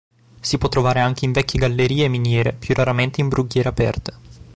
Si può trovare anche in vecchie gallerie e miniere, più raramente in brughiere aperte.